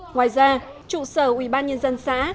ngoài ra trụ sở ủy ban nhân dân xã